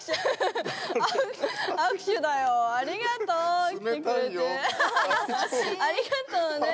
ありがとうね。